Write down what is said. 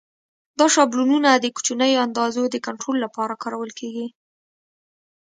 دا شابلونونه د کوچنیو اندازو د کنټرول لپاره کارول کېږي.